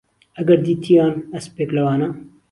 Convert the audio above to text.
ئهگهر دیتییان ئهسپێک لەوانه